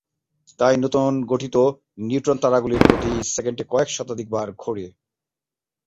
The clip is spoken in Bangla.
তাই নতুন গঠিত নিউট্রন তারাগুলি প্রতি সেকেন্ডে কয়েক শতাধিক বার ঘোরে।